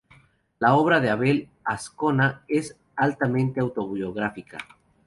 La obra de Abel Azcona es altamente autobiográfica.